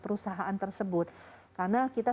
perusahaan tersebut karena kita